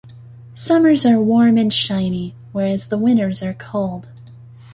Summers are warm and shiny, whereas the winters are cold.